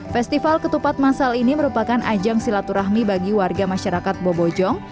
festival ketupat masal ini merupakan ajang silaturahmi bagi warga masyarakat bobojong